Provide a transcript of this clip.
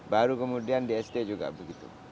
baru kemudian di sd juga begitu